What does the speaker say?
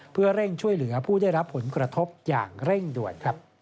เพื่อเร่งช่วยเหลือผู้ได้รับผลกระทบอย่างเร่งด่วน